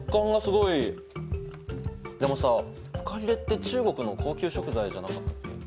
でもさフカヒレって中国の高級食材じゃなかったっけ？